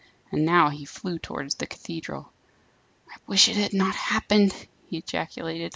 And now flew towards the cathedral. "I wish it had not happened!" he ejaculated.